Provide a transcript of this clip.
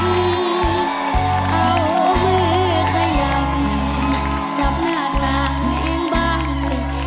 เอามือขยับจับหน้าตาแมงบางที